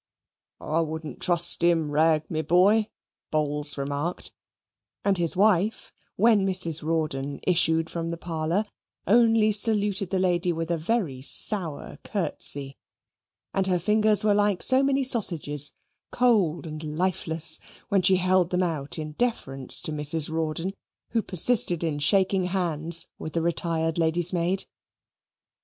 "I wouldn't trust him, Ragg, my boy," Bowls remarked; and his wife, when Mrs. Rawdon issued from the parlour, only saluted the lady with a very sour curtsey; and her fingers were like so many sausages, cold and lifeless, when she held them out in deference to Mrs. Rawdon, who persisted in shaking hands with the retired lady's maid.